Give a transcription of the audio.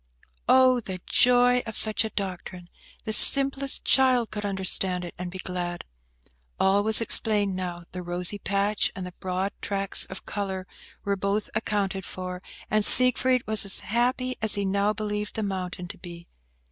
Oh, the joy of such a doctrine! The simplest child could understand it, and be glad! All was explained now, too; the rosy patch and the broad tracts of colour were both accounted for, and Siegfried was as happy as he now believed the mountain to be.